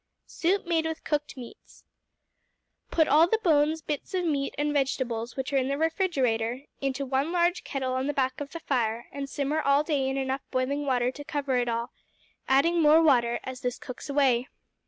Soup Made with Cooked Meats Put all the bones, bits of meat, and vegetables which are in the refrigerator into one large kettle on the back of the fire, and simmer all day in enough boiling water to cover it all, adding more water as this cooks away.